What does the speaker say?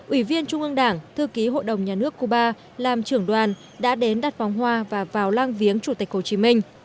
ủy viên trung ương đảng thư ký hội đồng nhà nước cuba làm trưởng đoàn đã đến đặt vòng hoa và vào lang viếng chủ tịch hồ chí minh